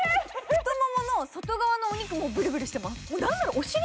太ももの外側のお肉もブルブル来てます。